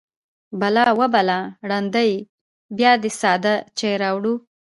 _بلا! وه بلا! ړنده يې! بيا دې ساده چای راوړی.